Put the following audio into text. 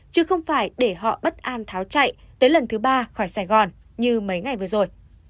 chứ không phải để họ bất an tháo chạy tới lần thứ ba khỏi sài gòn như mấy ngày vừa rồi